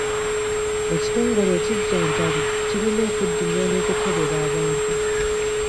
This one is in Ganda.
Ekitongole ekijjanjambi kirina okuddingana okukebera abantu.